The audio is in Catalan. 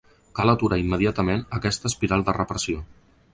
Cal aturar immediatament aquesta espiral de repressió.